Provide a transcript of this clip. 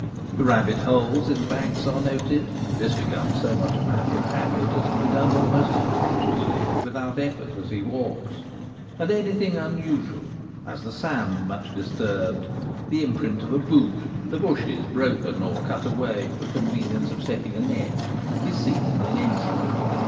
The rabbit holes in the banks are noted : this becomes so much a matter of habit as to be done almost unconsciously and without effort as he walks ; and anything unusual — as the sand much dis turbed, the imprint of a boot, the bushes broken or cut away for convenience of setting a net — is seen in an instant.